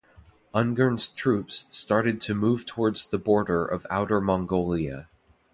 Ungern's troops started to move towards the border of Outer Mongolia.